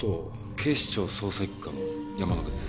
警視庁捜査一課の山之辺です。